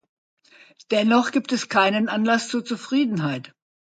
Dennoch gibt es keinen Anlass zur Zufriedenheit.